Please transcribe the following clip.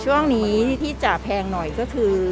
ช่วงนี้ที่จะแพงหน่อยก็คือ